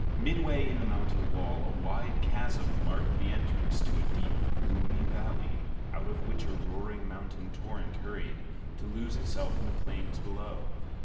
Midway in the mountain wall, a wide chasm marked the entrance to a deep, gloomy valley, out of which a roaring mountain torrent hurried, to lose itself in the plain below.